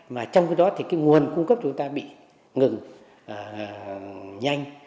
mà trong khi đó nguồn cung cấp chúng ta bị ngừng nhanh